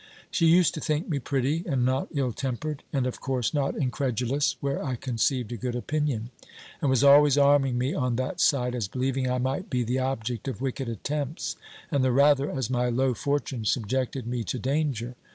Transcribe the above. _ She used to think me pretty, and not ill tempered, and, of course not incredulous, where I conceived a good opinion; and was always arming me on that side, as believing I might be the object of wicked attempts, and the rather, as my low fortune subjected me to danger.